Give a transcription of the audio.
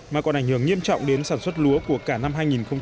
mà còn ảnh hưởng nghiêm trọng đến sản xuất lúa của cả năm hai nghìn hai mươi